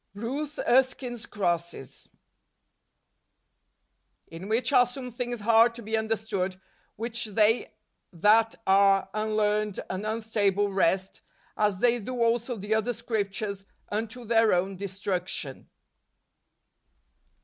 Rutli Erskine'a Crosses, " In which are some things hard to be understood , which they that are unlearned and unstable wrest , as they do also the other scriptures , unto their own destruction